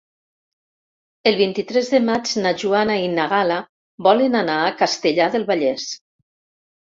El vint-i-tres de maig na Joana i na Gal·la volen anar a Castellar del Vallès.